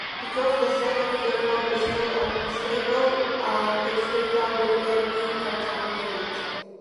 Because the second flip-flop is still unstable, its data would then be contaminated.